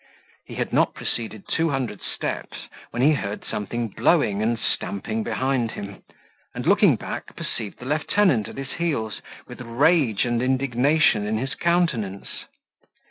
He had not proceeded two hundred steps when he heard something blowing and stamping behind him; and, looking back, perceived the lieutenant at his heels, with rage and indignation in his countenance.